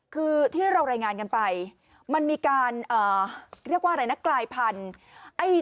คือที่เราแรงงานกันไปมันมีการกลายพันธุ์